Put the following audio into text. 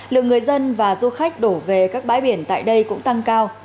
lượng người dân và du khách đổ về các bãi biển tại đây cũng tăng cao